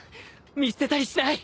見捨てたりしない。